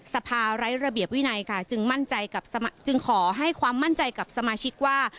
สภาร้ายระเบียบวินัยค่ะจึงขอให้ความมั่นใจกับสมาชิกว่า